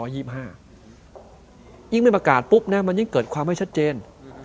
ยิ่งไม่ประกาศปุ๊บนะมันยิ่งเกิดความไม่ชัดเจน